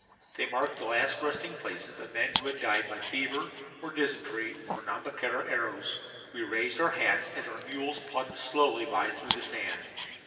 They marked the last resting places of men who had died by fever, or dysentery, or Nhambiquara arrows. We raised our hats as our mules plodded slowly by through the sand.